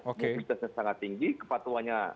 mobilitasnya sangat tinggi kepatuannya